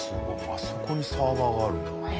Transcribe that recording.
あそこにサーバーがあるんだ。